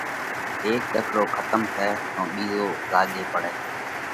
هيڪ ۮکڙو کتم ٿئه تو ٻِيزو زاڳي پڙئه۔